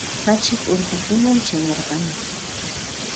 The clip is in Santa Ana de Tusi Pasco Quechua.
Pachak urpikunam chayarqamun.